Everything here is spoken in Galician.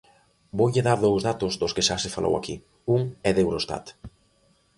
Voulle dar dous datos dos que xa se falou aquí, un é de Eurostat.